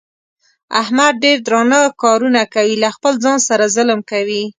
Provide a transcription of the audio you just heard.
احمد ډېر درانه کارونه کوي. له خپل ځان سره ظلم کوي.